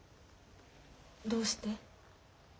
どうして？